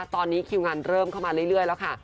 ตอนนี้คิวงานเริ่มเข้ามาเรื่อยแล้วค่ะ